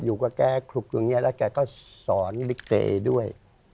อยู่กับแกคลุกอย่างนี้แล้วแกก็สอนลิเกด้วย